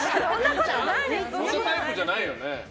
そんなタイプじゃないよね。